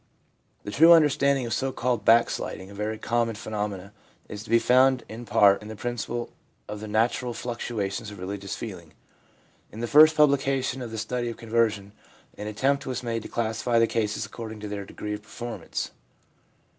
The true understanding of so called f back sliding' — a very common phenomenon — is to be found in part in the principle of the natural fluctuations of religious feel ing. In the first publication of the Study of Conversion, an attempt was made to classify the cases according to their degree of permanence.